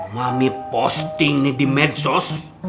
mami posting di medsos